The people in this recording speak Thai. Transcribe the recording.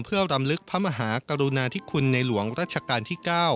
เพื่อรำลึกพระมหากรุณาธิคุณในหลวงรัชกาลที่๙